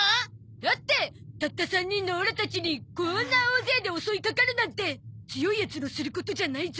だってたった３人のオラたちにこーんな大勢で襲いかかるなんて強いヤツのすることじゃないゾ。